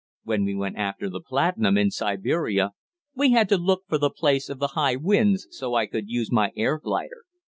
When we went after the platinum in Siberia we had to look for the place of the high winds, so I could use my air glider.